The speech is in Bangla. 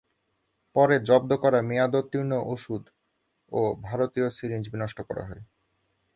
পরে জব্দ করা মেয়াদোত্তীর্ণ ওষুধ ও ভারতীয় সিরিঞ্জ বিনষ্ট করা হয়।